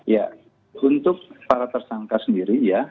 ya untuk para tersangka sendiri ya